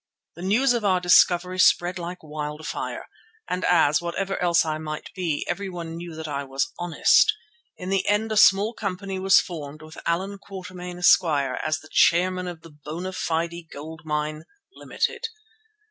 The news of our discovery spread like wildfire, and as, whatever else I might be, everyone knew that I was honest, in the end a small company was formed with Allan Quatermain, Esq., as the chairman of the Bona Fide Gold Mine, Limited.